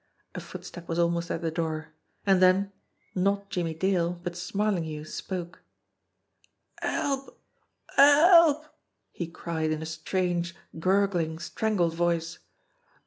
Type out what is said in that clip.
A footstep was almost at the door. And then, not Jimmie Dale, but Smarlinghue spoke. "Help! Help!" he cried in a strange, gurgling, strangled voice.